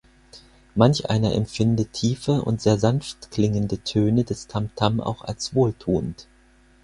Manch einer empfindet tiefe und sehr sanft klingende Töne des Tamtam auch als wohltuend.